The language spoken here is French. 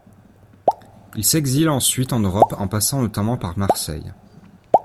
Il s'exile ensuite en Europe en passant notamment par Marseille.